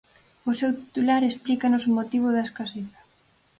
O seu titular explícanos o motivo da escaseza.